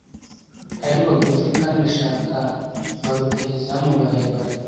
ari bagufi kandi ashaka ba rutahizamu barebare